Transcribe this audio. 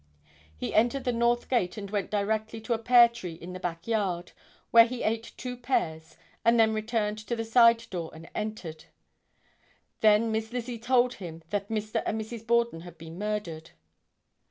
He entered the north gate and went directly to a pear tree in the back yard, where he ate two pears and then returned to the side door and entered; then Miss Lizzie told him that Mr. and Mrs. Borden had been murdered.